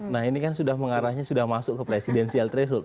nah ini kan sudah mengarahnya sudah masuk ke presidensial threshold